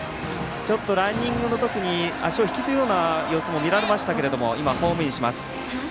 ランニングのときに足を引きずるような様子も見られましたけどホームイン。